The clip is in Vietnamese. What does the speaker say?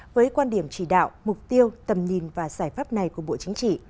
với quan điểm chỉ đạo mục tiêu tầm nhìn và giải pháp này của bộ chính trị